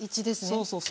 そうそうそう。